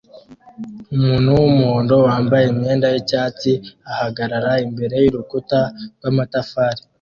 Umuntu wumuhondo wambaye imyenda yicyatsi ahagarara imbere yurukuta rwamatafari